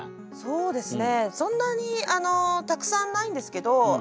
そうですね。